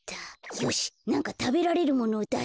よしなんかたべられるものをだそう。